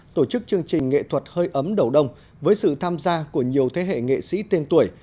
tổ chức chương trình nghệ thuật hơi ấm đầu đông với sự tham gia của nhiều thế hệ nghệ sĩ tên tuổi